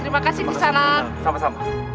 terima kasih disana